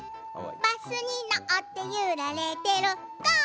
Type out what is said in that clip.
「バスにのってゆられてるゴー！